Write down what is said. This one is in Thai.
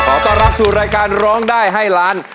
ต้อนรับสู่รายการร้องได้ให้ล้าน